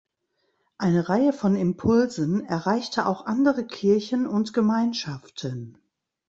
Eine Reihe von Impulsen erreichte auch andere Kirchen und Gemeinschaften.